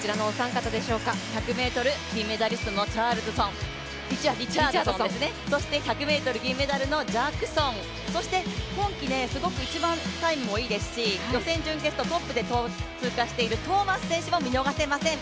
１００ｍ金メダリストのリチャードソンそして、１００ｍ銀メダルのジャクソン、そして今季すごく一番タイムもいいですし、予選、準決とトップで通過しているトーマス選手も見逃せません。